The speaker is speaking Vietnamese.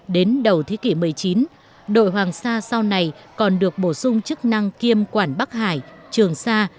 đến đầu thế kỷ một mươi chín đội hoàng sa sau này còn được bổ sung chức năng kiêm quản bắc hải trường sa